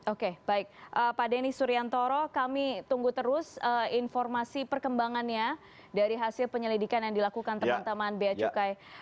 oke baik pak denny suryantoro kami tunggu terus informasi perkembangannya dari hasil penyelidikan yang dilakukan teman teman bea cukai